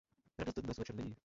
Rada zde dnes večer není.